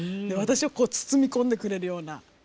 私を包み込んでくれるような。